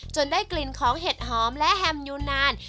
ได้กลิ่นของเห็ดหอมและแฮมยูนาน